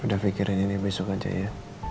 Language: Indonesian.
udah pikirin ini besok aja ya